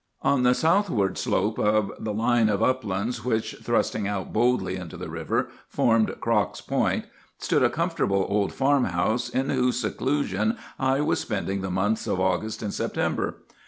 "On the southward slope of the line of uplands which, thrusting out boldly into the river, formed Crock's Point, stood a comfortable old farmhouse in whose seclusion I was spending the months of August and September.